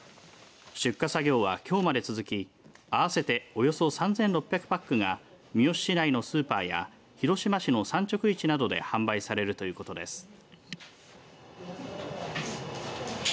出荷作業は、きょうまで続き合わせておよそ３６００パックが三次市内のスーパーや広島市の産直市などで販売されるということです。